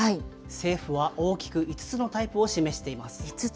政府は大きく５つのタイプを示しています。